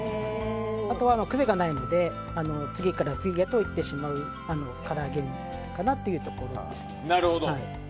あとは癖がないので次から次へといってしまう唐揚げかなというところですね。